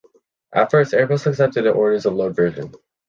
At first, Airbus accepted the orders of load version.